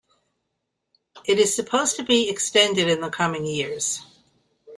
It is supposed to be extended in the coming years.